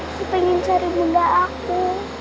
aku pengen cari bunda aku